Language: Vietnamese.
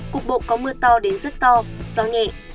cục bộ có mưa to đến rất to gió nhẹ